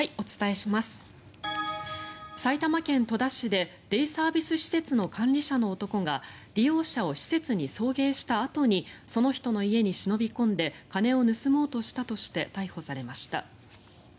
埼玉県戸田市でデイサービス施設の管理者の男が利用者を施設に送迎したあとにその人の家に忍び込んで金を盗もうとしたとして逮捕されました。